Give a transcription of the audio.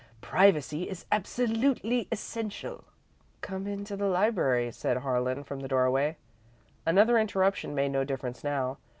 Privacy is absolutely essential." "Come into the library," said Harlan, from the doorway. Another interruption made no difference now.